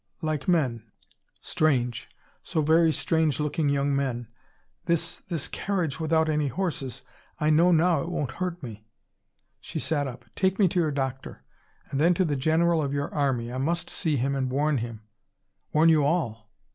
Like men; strange, so very strange looking young men. This this carriage without any horses I know now it won't hurt me." She sat up. "Take me to your doctor. And then to the general of your army. I must see him, and warn him. Warn you all."